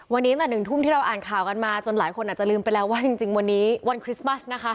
วันนี้ตั้งแต่๑ทุ่มที่เราอ่านข่าวกันมาจนหลายคนอาจจะลืมไปแล้วว่าจริงวันนี้วันคริสต์มัสนะคะ